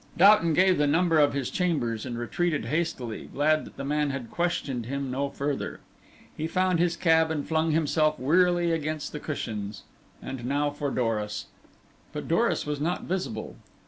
Doughton gave the number of his chambers, and retreated hastily, glad that the man had questioned him no further. He found his cab and flung himself wearily against the cushions. And now for Doris! But Doris was not visible.